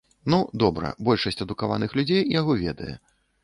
Ну, добра, большасць адукаваных людзей яго ведае.